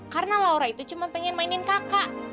karena laura itu cuma pengen mainin kakak